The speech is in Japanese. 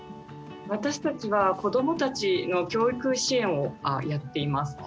私たちは子どもたちの教育支援をやっています。